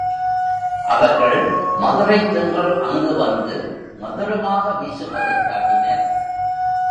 அவர்கள் மதுரைத் தென்றல் அங்குவந்து மதுரமாக வீசுவதைக் காட்டினர்.